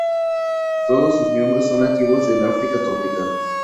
Todos sus miembros son nativos del África tropical.